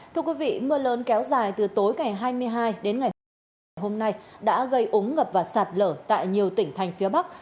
thưa quý vị mưa lớn kéo dài từ tối ngày hai mươi hai đến ngày ba ngày hôm nay đã gây ống ngập và sạt lở tại nhiều tỉnh thành phía bắc